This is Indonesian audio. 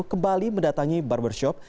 kembali mendatangi barbershop